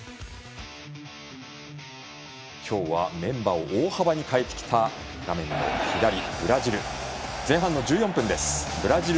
今日はメンバーを大幅に変えてきたブラジル。